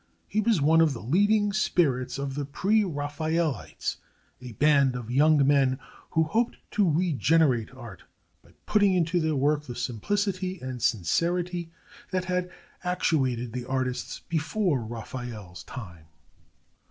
He was one of the leading spirits of the Preraphaelites, a band of young men who hoped to regenerate art by putting into their work the simplicity and sincerity that had actuated the artists before Raphael's time.